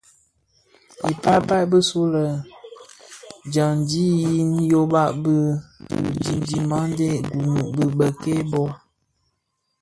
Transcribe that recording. I pal pal bisulè dyandi yin yoba di dhimandè Gunu dhi bèk-kè bō.